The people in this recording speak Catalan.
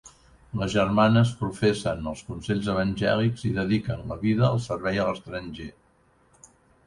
Les germanes professen els consells evangèlics i dediquen la vida al servei a l'estranger.